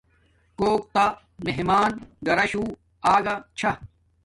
کوک تا مہمان گھراشو اگا چھا